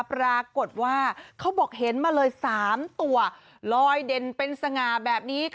ปรากฏว่าเขาบอกเห็นมาเลย๓ตัวลอยเด่นเป็นสง่าแบบนี้